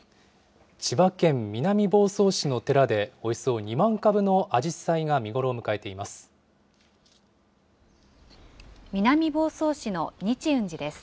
千葉県南房総市の寺で、およそ２万株のアジサイが見頃を迎えています。